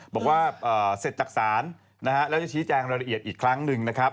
บอกว่าเสร็จจากศาลนะฮะแล้วจะชี้แจงรายละเอียดอีกครั้งหนึ่งนะครับ